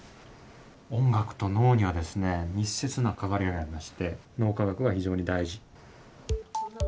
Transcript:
音楽と脳には、密接な関わりがありまして、脳科学が非常に大事。